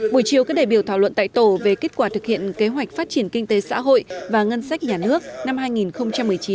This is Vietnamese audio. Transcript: buổi chiều các đại biểu thảo luận tại tổ về kết quả thực hiện kế hoạch phát triển kinh tế xã hội và ngân sách nhà nước năm hai nghìn một mươi chín